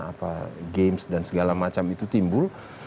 apa games dan segala macam itu timbul